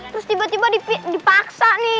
terus tiba tiba dipaksa nih